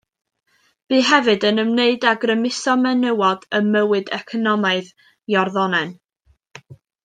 Bu hefyd yn ymwneud â grymuso menywod ym mywyd economaidd Iorddonen.